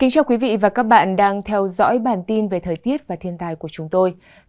cảm ơn các bạn đã theo dõi và ủng hộ cho bản tin thời tiết và thiên tài của chúng tôi